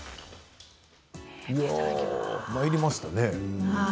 まいりましたね。